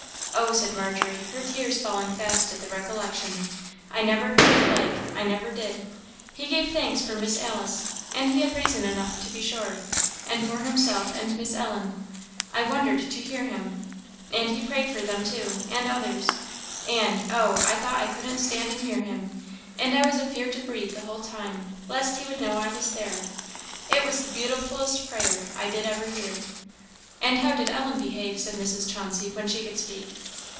Oh," said Margery, her tears falling fast at the recollection, "I never heard the like! I never did. He gave thanks for Miss Alice and he had reason enough, to be sure and for himself and Miss Ellen I wondered to hear him and he prayed for them too, and others and oh! I thought I couldn't stand and hear him; and I was afeard to breathe the whole time, lest he would know I was there. It was the beautifullest prayer I did ever hear." "And how did Ellen behave?" said Mrs. Chauncey, when she could speak.